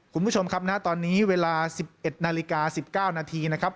คุณผู้ชมครับณตอนนี้เวลา๑๑นาฬิกา๑๙นาทีนะครับ